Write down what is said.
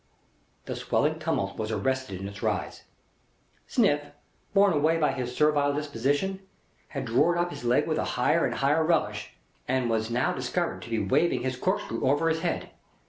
The swelling tumult was arrested in its rise. Sniff, bore away by his servile disposition, had drored up his leg with a higher and a higher relish, and was now discovered to be waving his corkscrew over his head.